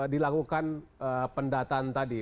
dilakukan pendataan tadi